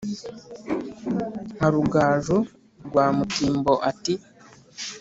-nka rugaju rwa mutimbo ati: